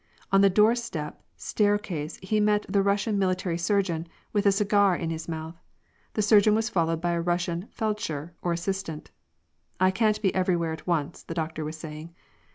On the doorstep stair case he met the Russian military surgeon, with a cigar in his mouth. The surgeon was followed by a Russian feldsher or assistant. " I can't be everywhere at once," the doctor was saying.